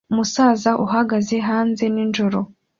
Umusaza uhagaze hanze nijoro